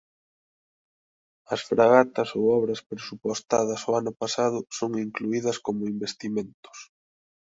As Fragatas ou obras presupostadas o ano pasado son incluídas como investimentos